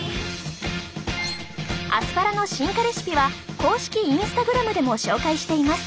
アスパラの進化レシピは公式Ｉｎｓｔａｇｒａｍでも紹介しています。